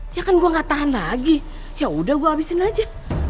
ya kan gue gak tahan lagi ya udah gue abisin aja